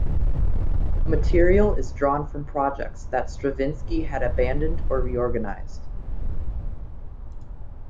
Material is drawn from projects that Stravinsky had abandoned or reorganized.